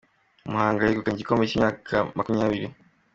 Muhanga yegukanye igikombe cy’imyaka makumyabiri